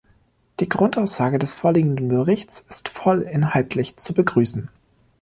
Die Grundaussage des vorliegenden Berichts ist voll inhaltlich zu begrüßen.